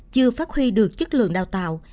chưa phát huy được chất lượng đào tạo